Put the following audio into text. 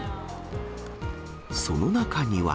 その中には。